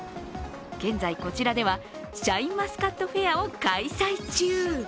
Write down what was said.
現在こちらでは、シャインマスカットフェアを開催中。